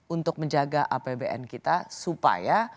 untuk menjaga apbn kita supaya